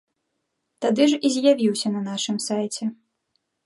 Тады ж і з'явіўся на нашым сайце.